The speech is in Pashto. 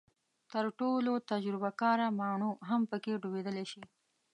تر ټولو تجربه کاره ماڼو هم پکې ډوبېدلی شي.